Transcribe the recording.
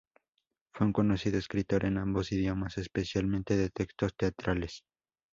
Fue un conocido escritor en ambos idiomas, especialmente de textos teatrales.